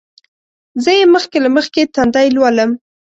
زه یې مخکې له مخکې تندی لولم.